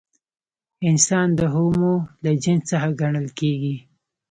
انسان د هومو له جنس څخه ګڼل کېږي.